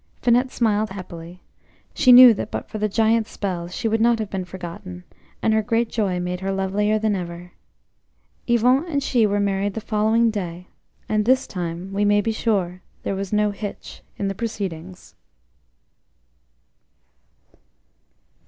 Finette smiled happily; she knew that but for the Giant's spells she would not have been forgotten, and her great joy made her lovelier than ever. Yvon and she were married the following day, and this time, we may be sure, there was no hitch in the proceedings.